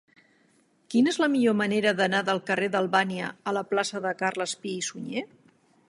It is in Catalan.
Quina és la millor manera d'anar del carrer d'Albània a la plaça de Carles Pi i Sunyer?